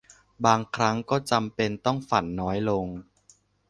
บางครั้งก็จำเป็นต้องฝันน้อยลง